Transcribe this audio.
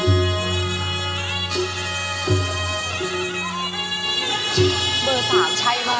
หลอบใครก็ไม่เห็นดีจริง